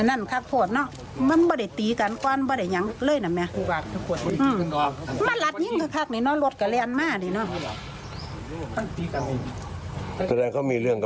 อ้าวส่วนพ่อตาของผู้ก่อเหตุ